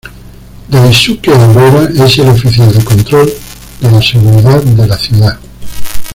Daisuke Aurora es el oficial de control de la seguridad de la ciudad.